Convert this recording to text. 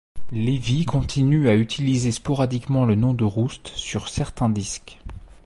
Levy continue à utiliser sporadiquement le nom de Roost sur certains disques.